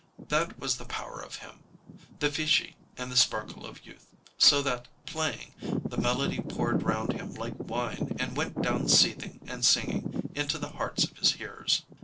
That was the power of him. The vichy and the sparkle of youth, so that, playing, the melody poured round him like wine and went down seething and singing into the hearts of his hearers.